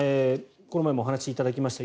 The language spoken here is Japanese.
この前もお話しいただきました